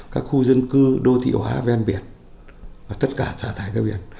các khu dân cư đô thị hóa ven biển và tất cả xã thải biển